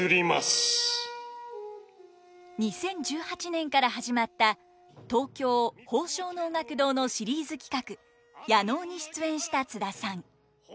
２０１８年から始まった東京宝生能楽堂のシリーズ企画夜能に出演した津田さん。